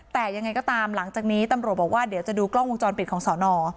แต่ยังไงก็ตามหลังจากนี้ตำรวจบอกว่าเดี๋ยวจะดูกล้องวงจรปิดของสอนอ